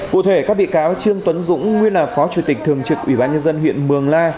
cụ thể các bị cáo trương tuấn dũng nguyên là phó chủ tịch thường trực ủy ban nhân dân huyện mường la